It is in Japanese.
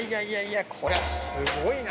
これはすごいな。